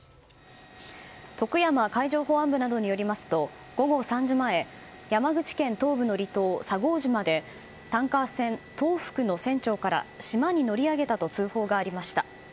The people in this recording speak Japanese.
徳山海上保安部などによりますと午後３時前山口県東部の離島、佐合島でタンカー船「東福」の船長から島に乗り上げたと通報がありました。